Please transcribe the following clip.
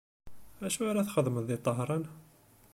Acu ara txedmeḍ di Tahran?